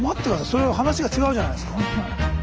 それは話が違うじゃないですか。